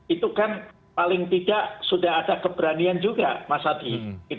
itu kan paling tidak sudah ada keberanian juga mas hadi